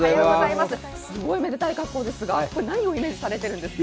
すごいめでたい格好ですが何をイメージされているんですか。